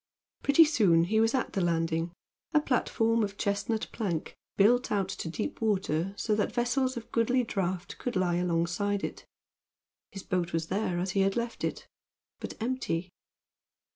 Pretty soon he was at the landing a platform of chestnut plank, built out to deep water, so that vessels of goodly draught could lie alongside it. His boat was there as he had left it, but empty.